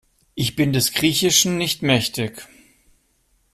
Ich bin des Griechischen nicht mächtig.